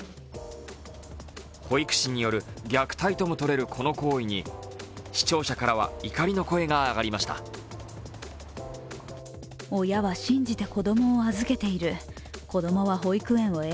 保育士による虐待ともとれるこの行為に、視聴者からは怒りの声が上がりました。